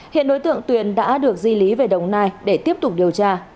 hiện đối tượng tuyền đã được di lý về đồng nai để tiếp tục điều tra